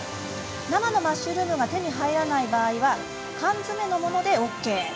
生のマッシュルームが手に入らない場合は缶詰のものでＯＫ。